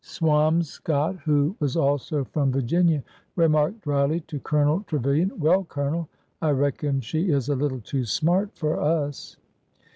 Swamscott, who was also from Virginia, remarked dryly to Colonel Tre vilian : Well, Colonel, I reckon she is a little too smart for us!"